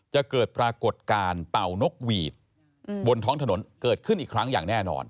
จะเกิดปรากฏการณ์เป่านกหวีดบนท้องถนนเกิดขึ้นอีกครั้งอย่างแน่นอน